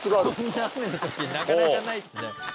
こんな雨の時なかなかないですね。